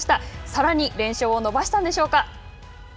さらに連勝を伸ばしたんでしょう